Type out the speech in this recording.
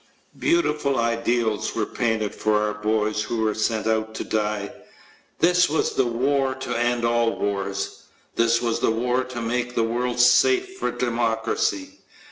Beautiful ideals were painted for our boys who were sent out to die. This was the "war to end all wars." This was the "war to make the world safe for democracy."